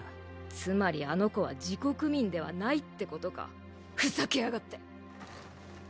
つまりあの子は自国民ではないってことかふざけやがって！